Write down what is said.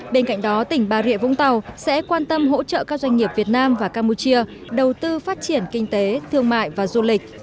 bên cạnh đó tỉnh bà rịa vũng tàu sẽ quan tâm hỗ trợ các doanh nghiệp việt nam và campuchia đầu tư phát triển kinh tế thương mại và du lịch